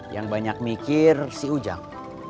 yang banyak mikir si ujang